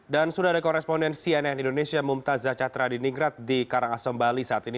dan sudah ada korespondensi ann indonesia mumtazah catra di ningrat di karangasem bali saat ini